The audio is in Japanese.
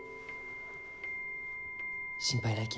心配ないき。